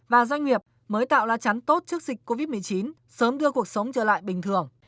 và doanh nghiệp mới tạo lá chắn tốt trước dịch covid một mươi chín sớm đưa cuộc sống trở lại bình thường